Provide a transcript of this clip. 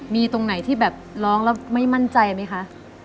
มีตรงไหนที่แบบร้องแล้วไม่มั่นใจไหมคะ